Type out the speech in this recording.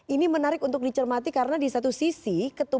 ini menarik untuk dicermati karena di satu sisi ketua